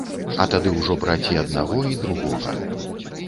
А тады ўжо браць і аднаго, і другога.